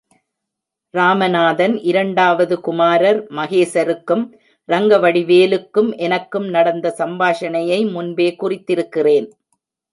ராமநாதன் இரண்டாவது குமாரர் மாஹேசருக்கும், ரங்கவடிவேலுக்கும் எனக்கும் நடந்த சம்பாஷணையை முன்பே குறித்திருக்கிறேன்.